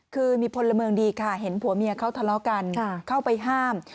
คือมีพลเมืองดีค่ะเห็นผัวเมียเขาทะเลาะกันเข้าไปห้าม